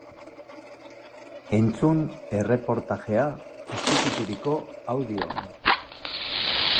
Entzun erreportajea atxikituriko audioan!